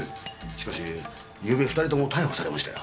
しかしゆうべ２人とも逮捕されましたよ。